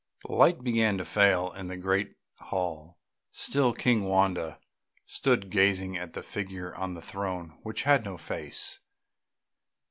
The light began to fail in the great hall; still King Wanda stood gazing at the figure on the throne which had no face.